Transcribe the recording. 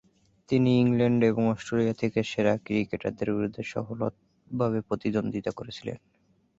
তিনি ইংল্যান্ড এবং অস্ট্রেলিয়া থেকে সেরা ক্রিকেটারদের বিরুদ্ধে সফলভাবে প্রতিদ্বন্দ্বিতা করেছিলেন।